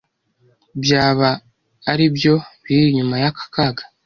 byaba ari byo biri inyuma y'aka kaga,